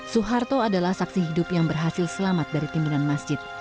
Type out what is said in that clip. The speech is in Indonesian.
suharto adalah saksi hidup yang berhasil selamat dari timbunan masjid